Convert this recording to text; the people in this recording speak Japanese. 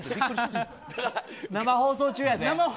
生放送中やで。